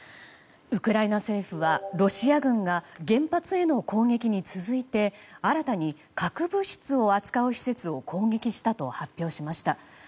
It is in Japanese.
ウクライナ政府はロシア軍が原発への攻撃に続いて新たに核物質を扱う施設を攻撃したと発表しました。